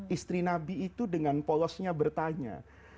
istri nabi itu dengan polosnya bertanya